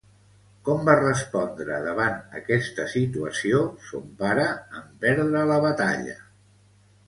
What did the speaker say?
Com va respondre davant aquesta situació son pare en perdre la batalla?